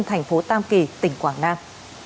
thành phố tam kỳ tỉnh quảng nam